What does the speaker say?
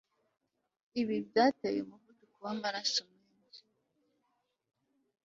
Ibi byateye umuvuduka wamaraso menshi